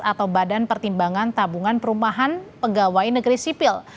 atau badan pertimbangan tabungan perumahan pegawai negeri sipil